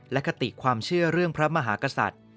และคติความเชื่อเรื่องพระมหากษัตริย์